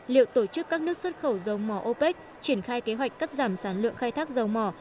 liệu tổ chức các nước xuất khẩu dầu mỏ opec triển khai kế hoạch cắt giảm sản lượng khai thác dầu mỏ